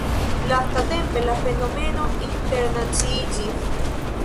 Lastatempe la fenomeno internaciiĝis.